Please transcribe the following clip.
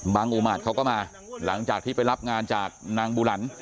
อุมาตรเขาก็มาหลังจากที่ไปรับงานจากนางบูหลัน